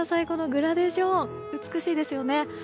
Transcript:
このグラデーション美しいですよね。